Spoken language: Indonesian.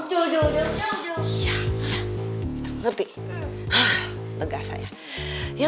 ya udah kalau gitu sekarang saya mau yoga